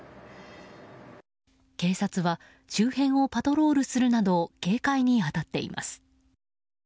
警察は周辺をパトロールするなど警戒に当たっています。